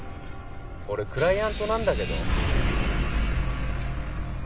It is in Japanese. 俺クライアントなんだけど？